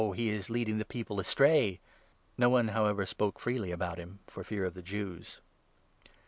he is leading the people astray.' No one, however, spoke freely about him, for fear of the Jews.